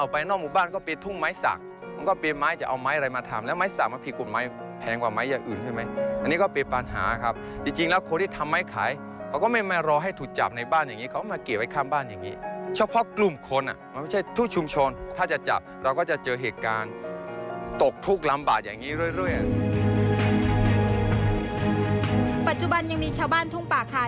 ปัจจุบันยังมีชาวบ้านทุ่งป่าคา